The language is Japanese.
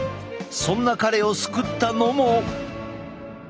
そんな彼を救ったのも。